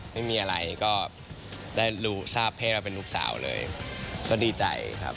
ไม่มีอะไรก็ได้รู้ทราบเพศว่าเป็นลูกสาวเลยก็ดีใจครับ